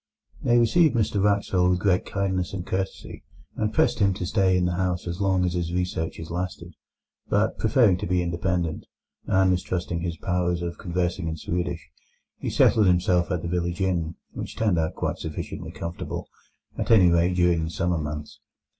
They received Mr Wraxall with great kindness and courtesy, and pressed him to stay in the house as long as his researches lasted. But, preferring to be independent, and mistrusting his powers of conversing in Swedish, he settled himself at the village inn, which turned out quite sufficiently comfortable, at any rate during the summer months.